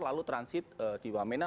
lalu transit di wamena